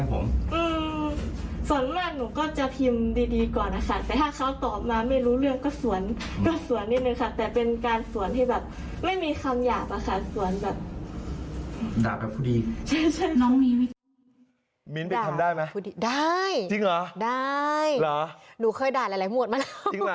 แต่เป็นการสวนที่แบบไม่มีคำหยาบอะค่ะสวนแบบ